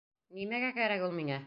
Нимәгә кәрәк ул миңә!